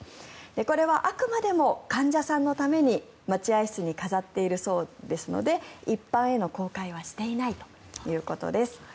これはあくまでも患者さんのために待合室に飾っているそうですので一般への公開はしていないということです。